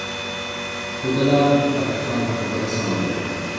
خو د لارډ اکټان خبره سمه ده.